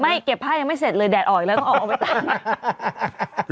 ไม่เก็บผ้ายังไม่เสร็จเลยแดดออกทีแล้วเจอไซ่